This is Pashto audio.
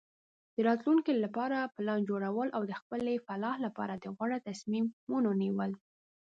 د راتلونکي لپاره پلان جوړول او د خپلې فلاح لپاره د غوره تصمیمونو نیول.